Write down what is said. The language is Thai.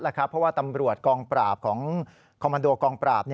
เพราะว่าตำรวจกองปราบของคอมมันโดกองปราบ